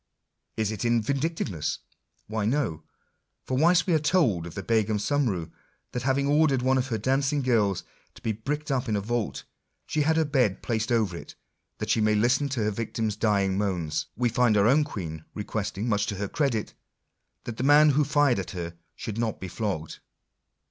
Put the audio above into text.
Is it in vindictaveness ? Why no : for whilst we are told of the Begum Sumroo, that having ordered one of her dancing girls to he bricked up in a vault, she had her bed placed over it, that she might listen to her victim's dying moans; we find our own Queen requesting, much to her credit, that the man who fired at her should not be flogged.